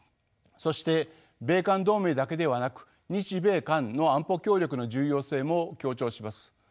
そして米韓同盟だけではなく日米韓の安保協力の重要性も強調します。